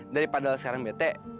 daripada sekarang bete